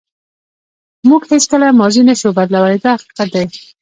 موږ هیڅکله ماضي نشو بدلولی دا حقیقت دی.